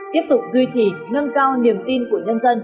tiếp tục duy trì nâng cao niềm tin của nhân dân